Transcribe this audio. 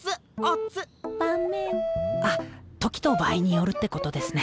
あっ時と場合によるってことですね。